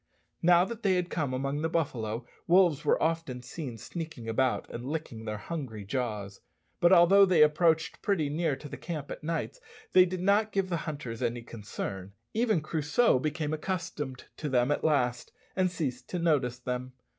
Now that they had come among the buffalo, wolves were often seen sneaking about and licking their hungry jaws; but although they approached pretty near to the camp at nights, they did not give the hunters any concern. Even Crusoe became accustomed to them at last, and ceased to notice them.